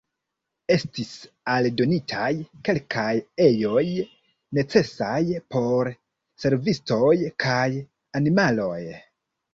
Estis aldonitaj kelkaj ejoj necesaj por servistoj kaj animaloj.